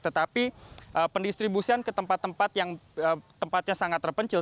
tetapi pendistribusian ke tempat tempat yang tempatnya sangat terpencil